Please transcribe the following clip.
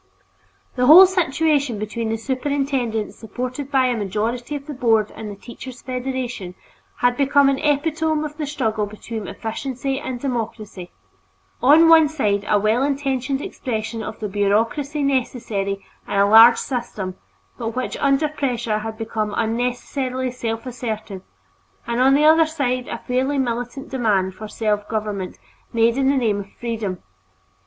The whole situation between the superintendent supported by a majority of the Board and the Teachers' Federation had become an epitome of the struggle between efficiency and democracy; on one side a well intentioned expression of the bureaucracy necessary in a large system but which under pressure had become unnecessarily self assertive, and on the other side a fairly militant demand for self government made in the name of freedom.